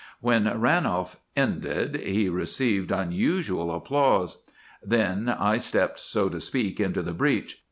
When Ranolf ended he received unusual applause. Then I stepped, so to speak, into the breach.